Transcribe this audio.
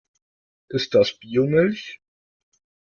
Ist das Biomilch?